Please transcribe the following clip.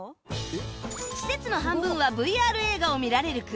施設の半分は ＶＲ 映画を見られる空間